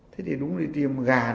thế thì đúng là tìm gà